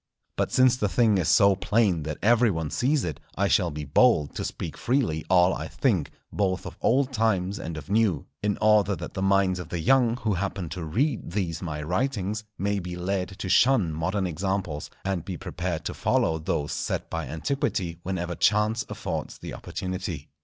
But since the thing is so plain that every one sees it, I shall be bold to speak freely all I think, both of old times and of new, in order that the minds of the young who happen to read these my writings, may be led to shun modern examples, and be prepared to follow those set by antiquity whenever chance affords the opportunity.